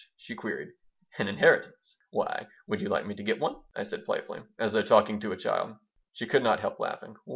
she queried. "An inheritance? Why, would you like me to get one?" I said, playfully, as though talking to a child She could not help laughing.